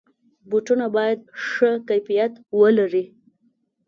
بوټونه باید ښه کیفیت ولري.